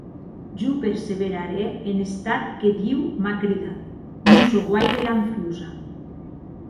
Jo perseverarè en estat que Diu m’a cridat; non sò guaire lanfiosa.